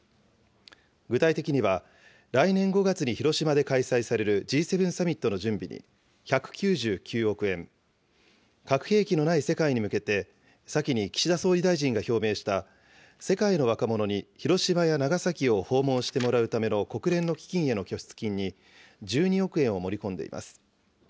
具体的には、来年５月に広島で開催されるＧ７サミットの準備に１９９億円、核兵器のない世界に向けて、先に岸田総理大臣が表明した世界の若者に広島や長崎を訪問してもらうための国連の基金への拠出金に１２億円を盛り込んでいます。